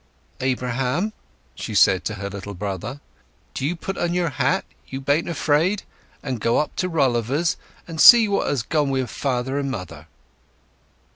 "Abraham," she said to her little brother, "do you put on your hat—you bain't afraid?—and go up to Rolliver's, and see what has gone wi' father and mother."